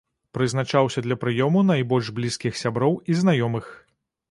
Прызначаўся для прыёму найбольш блізкіх сяброў і знаёмых.